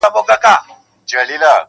نوي نوي غزل راوړه د ژوندون له رنګینیو,